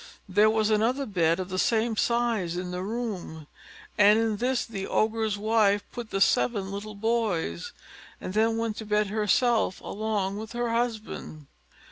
There was another bed of the same size in the room, and in this the Ogre's wife put the seven little boys, and then went to bed herself along with her husband.